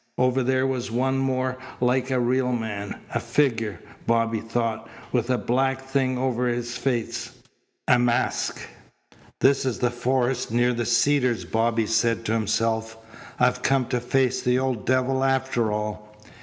Over there was one more like a real man a figure, Bobby thought, with a black thing over its face a mask. "This is the forest near the Cedars," Bobby said to himself. "I've come to face the old devil after all."